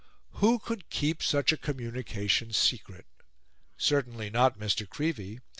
Who could keep such a communication secret? Certainly not Mr. Creevey.